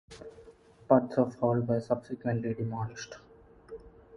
Parts of the hall were subsequently demolished.